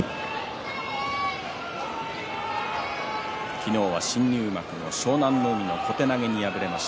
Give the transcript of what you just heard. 昨日は新入幕の湘南乃海に小手投げで敗れています。